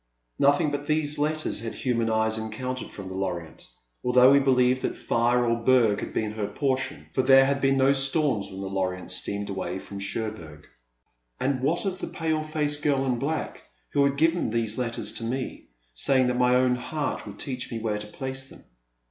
Nothing but these letters had human eyes en countered from the Lorienty although we believed that fire or berg had been her portion ; for there 93 338 A Pleasant Evening. had been no storms when the Lorieni steamed away from Cherbourg. And what of the pale faced girl in black who had given these letters to me, saying that my own heart would teach me where to place them?